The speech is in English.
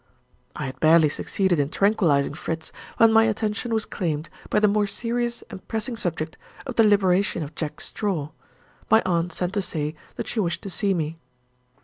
I had barely succeeded in tranquilizing Fritz, when my attention was claimed by the more serious and pressing subject of the liberation of Jack Straw. My aunt sent to say that she wished to see me.